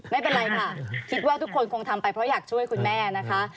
ไม่เป็นไรค่ะคิดว่าทุกคนคงทำไปเพราะอยากช่วยคุณแม่นะคะ